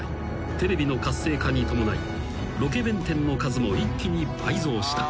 テレビの活性化に伴いロケ弁店の数も一気に倍増した］